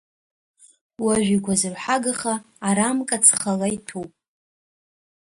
Уажә игәазырҳагаха арамка цхала иҭәуп.